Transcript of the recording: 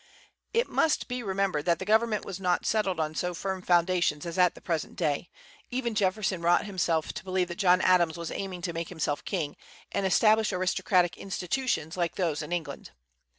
It must be remembered that the government was not settled on so firm foundations as at the present day; even Jefferson wrought himself to believe that John Adams was aiming to make himself king, and establish aristocratic institutions like those in England.